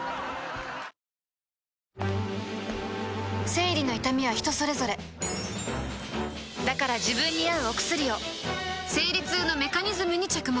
生理の痛みは人それぞれだから自分に合うお薬を生理痛のメカニズムに着目